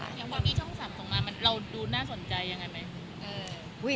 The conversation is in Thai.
อย่างความที่ช่องศัพท์ส่งมาเราดูน่าสนใจอย่างไรไหม